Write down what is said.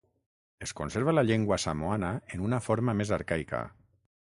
Es conserva la llengua samoana en una forma més arcaica.